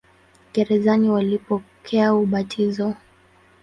Gerezani walipokea ubatizo.